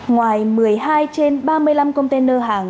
ngoài một mươi hai trên ba mươi năm container hàng